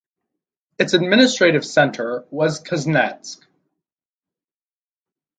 Its administrative centre was Kuznetsk.